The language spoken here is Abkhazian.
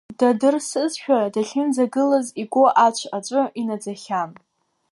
Дадырсызшәа дахьынӡагылаз, игәы ацә аҿы инаӡахьан.